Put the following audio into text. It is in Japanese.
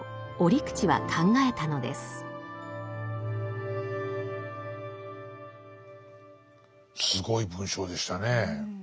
すごい文章でしたねえ。